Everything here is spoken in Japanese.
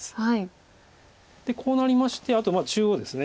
でこうなりましてあと中央です。